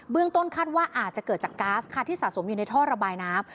ต้นคาดว่าอาจจะเกิดจากก๊าซค่ะที่สะสมอยู่ในท่อระบายน้ำ